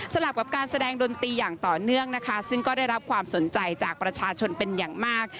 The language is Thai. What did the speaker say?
ลับกับการแสดงดนตรีอย่างต่อเนื่องนะคะซึ่งก็ได้รับความสนใจจากประชาชนเป็นอย่างมาก